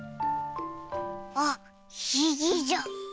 あっひげじゃ！